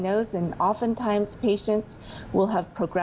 โดยเชียงต้องเกิดขึ้นเท่าไหร่